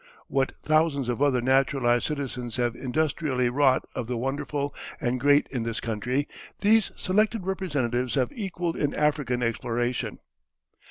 What thousands of other naturalized citizens have industrially wrought of the wonderful and great in this country, these selected representatives have equalled in African exploration.